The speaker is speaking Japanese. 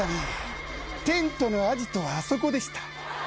テントのアジトはあそこでした。